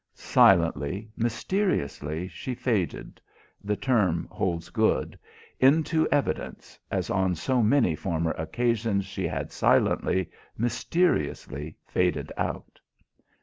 Silently, mysteriously, she faded the term holds good into evidence, as on so many former occasions she had silently, mysteriously faded out.